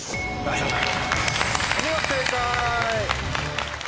お見事正解！